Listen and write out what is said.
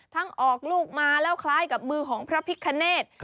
ออกลูกมาแล้วคล้ายกับมือของพระพิคเนธ